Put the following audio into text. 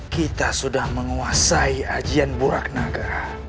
kita sudah menguasai ajian buraknaga